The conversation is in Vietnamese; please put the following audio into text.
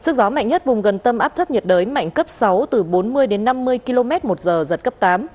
cấp sáu từ bốn mươi đến năm mươi km một giờ giật cấp tám